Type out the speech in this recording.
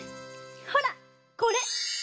ほらこれ！